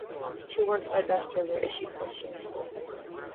Two works by Bester were issued posthumously.